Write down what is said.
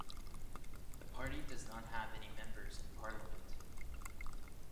The party does not have any members in parliament.